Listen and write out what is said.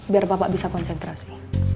biar bapak bisa konsentrasi